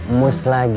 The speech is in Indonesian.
aku sedang nyaghul